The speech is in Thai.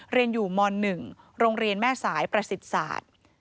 เรียนอยู่ม๑โรงเรียนแม่สายประสิทธิ์ศาสตร์